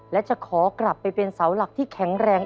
และจะขอกลับไปเป็นเสาหลักที่แข็งแรง